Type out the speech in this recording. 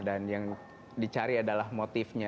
dan yang dicari adalah motifnya